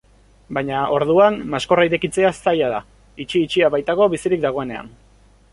Baina, orduan, maskorra irekitzea zaila da, itxi-itxia baitago bizirik dagoenean.